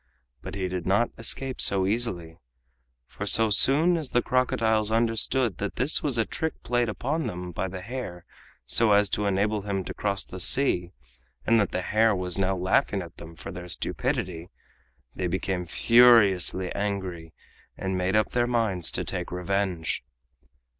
But he did not escape so easily, for so soon as the crocodiles understood that this was a trick played upon them by the hare so as to enable him to cross the sea, and that the hare was now laughing at them for their stupidity, they became furiously angry and made up their minds to take revenge.